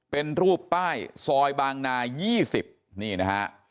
เป็นรูปป้ายซอยบางนา๒๐นี่นะฮะ